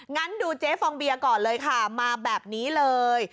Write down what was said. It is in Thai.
งั้นดูเจ๊ฟองเบียก่อนเลยค่ะมาแบบนี้เลย